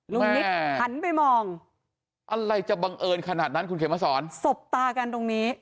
นิดหันไปมองอะไรจะบังเอิญขนาดนั้นคุณเขมสอนสบตากันตรงนี้